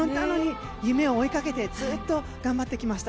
なのに、夢をおいかけてずっと頑張ってきました。